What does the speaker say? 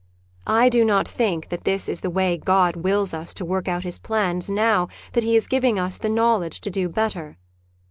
I do not think that is the way God wills us to work out His plans now that He is giving us the know ledge to do better.